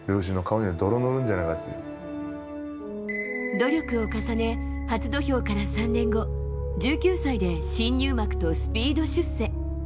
努力を重ね、初土俵から３年後１９歳で新入幕とスピード出世。